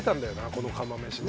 この釜飯ね。